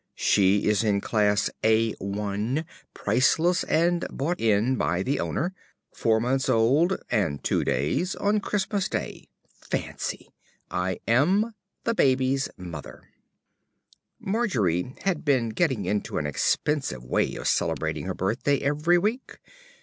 She is in Class A1, priceless and bought in by the owner. Four months old (and two days) on Christmas Day. Fancy! I am, ~The Baby's Mother~. Margery had been getting into an expensive way of celebrating her birthday every week.